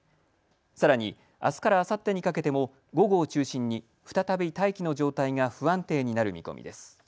さらに、あすからあさってにかけても午後を中心に再び大気の状態が不安定になる見込みです。